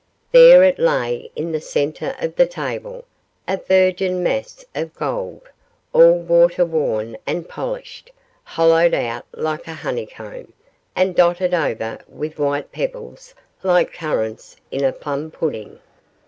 There it lay in the centre of the table, a virgin mass of gold, all water worn and polished, hollowed out like a honeycomb, and dotted over with white pebbles like currants in a plum pudding.